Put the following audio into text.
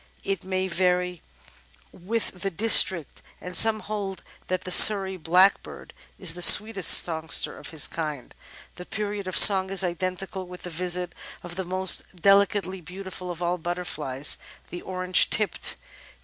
It may vary with the district, and some hold that the Surrey Blackbird is the sweetest songster of his kind. The period of song is identical with the visit of the most delicately beautiful of all butterflies — the Orange Tipped.